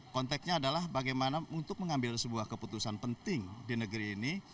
konteknya adalah bagaimana untuk mengambil sebuah keputusan penting di negeri ini